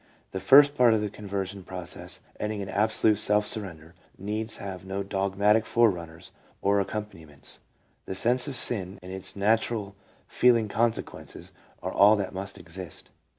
The first part of the conversion process ending in absolute self surrender, needs have no dogmatic forerunners or accompaniments ; the sense of sin and its natural feeling consequences are all that must exist.